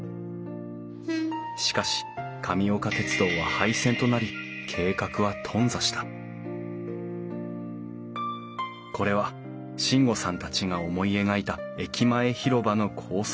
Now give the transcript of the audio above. しかし神岡鉄道は廃線となり計画は頓挫したこれは進悟さんたちが思い描いた駅前広場の構想図。